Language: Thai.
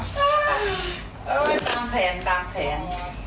ตามแผนตามแผน